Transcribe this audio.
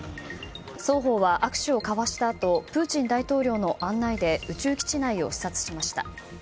双方は握手を交わしたあとプーチン大統領の案内で宇宙基地内を視察しました。